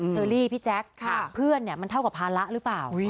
เชอรี่พี่แจ๊คเพื่อนมันเท่ากับภาระหรือเปล่า